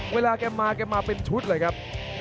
เวลาแกมาแกมาเป็นชุดเลยครับ